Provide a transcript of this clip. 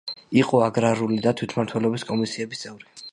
იყო აგრარული და თვითმმართველობის კომისიების წევრი.